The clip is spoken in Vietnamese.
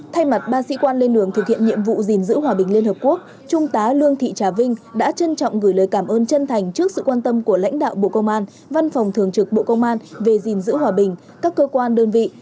thay mặt ba sĩ quan lên đường thực hiện nhiệm vụ gìn giữ hòa bình liên hợp quốc trung tá lương thị trà vinh đã trân trọng gửi lời cảm ơn chân thành trước sự quan tâm của lãnh đạo bộ công an văn phòng thường trực bộ công an về gìn giữ hòa bình các cơ quan đơn vị